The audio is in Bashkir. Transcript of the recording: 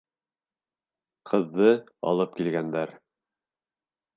Ҡыҙҙы алып килгәндәр.